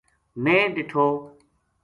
میں ڈِٹھو